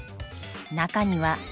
［中には］